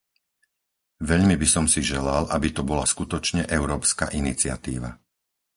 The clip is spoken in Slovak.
Veľmi by som si želal, aby to bola skutočne európska iniciatíva.